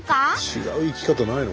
違う行き方ないの？